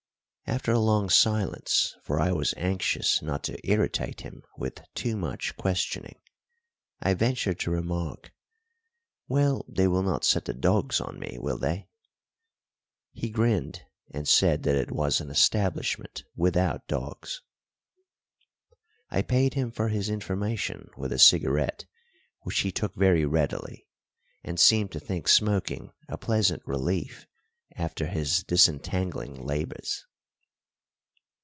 After a long silence, for I was anxious not to irritate him with too much questioning, I ventured to remark: "Well, they will not set the dogs on me, will they?" He grinned, and said that it was an establishment without dogs. I paid him for his information with a cigarette, which he took very readily, and seemed to think smoking a pleasant relief after his disentangling labours.